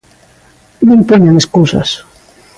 Non poñan escusas.